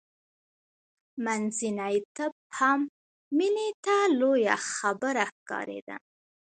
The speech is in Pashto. منځنی طب هم مینې ته لویه خبره ښکارېده